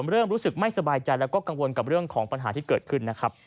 รู้สึกไม่สบายใจแล้วก็กังวลกับเรื่องของปัญหาที่เกิดขึ้นนะครับ